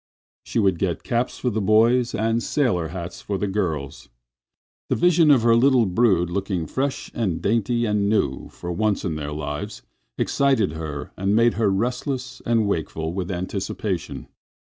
She would get caps for the boys and sailor hats for the girls. The vision of her little brood looking fresh and dainty and new for once in their lives excited her and made her restless and wakeful with anticipation.